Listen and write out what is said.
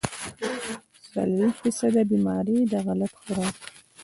څلوېښت فيصده بيمارۍ د غلط خوراک